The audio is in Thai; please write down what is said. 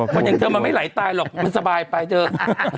คนอย่างเธอมันไม่ไหลตายหรอกมันสบายไปเถอะ